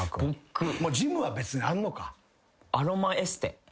ジムは別にあんのか。